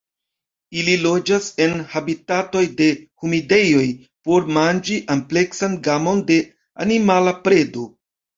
Ili loĝas en habitatoj de humidejoj por manĝi ampleksan gamon de animala predo.